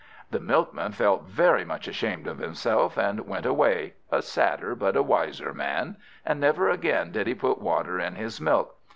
The Milkman felt very much ashamed of himself, and went away, a sadder but a wiser man; and never again did he put water in his milk.